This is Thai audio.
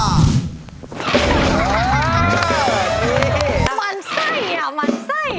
มันใส่อะมันใส่